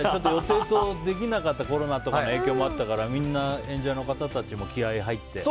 できなかったコロナとかの影響もあったからみんな演者の方たちも気合入って？